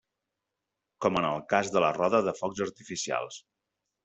Com en el cas de la roda de focs artificials.